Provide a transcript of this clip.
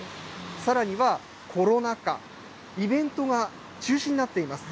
さらにはコロナ禍、イベントが中止になっています。